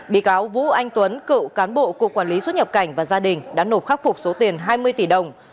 bị cáo vũ anh tuấn cựu cán bộ cục quản lý xuất nhập cảnh và gia đình đã nộp khắc phục số tiền hai mươi tỷ đồng